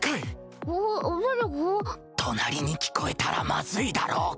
隣に聞こえたらまずいだろ。